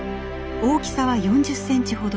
大きさは４０センチほど。